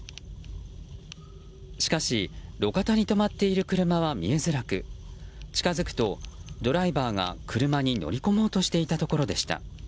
しかし、路肩に止まっている車は見えづらく近づくと、ドライバーが車に乗り込もうとしていたところでした。